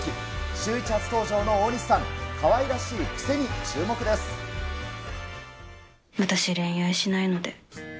シューイチ初登場の大西さん、私、恋愛しないので。